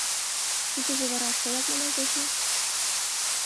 Тидыже вара шояк маналтеш мо?!